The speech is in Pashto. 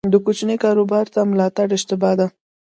د کوچني کاروبار نه ملاتړ اشتباه ده.